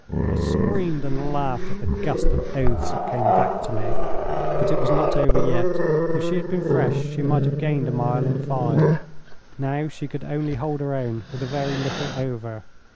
I screamed and laughed at the gust of oaths that came back to me. But it was not over yet. If she had been fresh she might have gained a mile in five. Now she could only hold her own with a very little over.